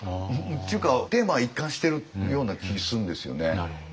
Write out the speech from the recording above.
っていうかテーマが一貫しているような気するんですよね。